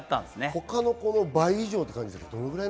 他の子の倍以上って感じですか？